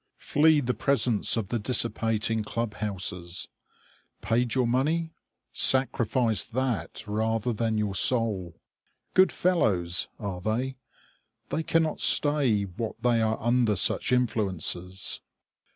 Flee the presence of the dissipating club houses. "Paid your money?" Sacrifice that rather than your soul. "Good fellows," are they? They cannot stay what they are under such influences.